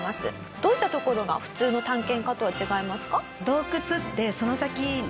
どういったところが普通の探検家とは違いますか？